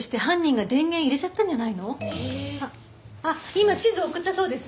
今地図送ったそうです。